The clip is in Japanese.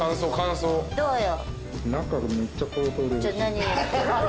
どうよ？